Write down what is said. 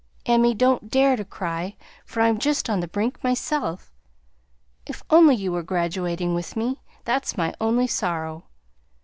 "Emmie, don't dare to cry, for I'm just on the brink myself! If only you were graduating with me; that's my only sorrow!